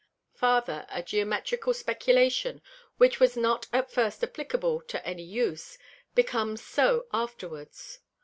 Farther, a Geometrical Speculation, which was not at first applicable to any use, becomes so afterwards.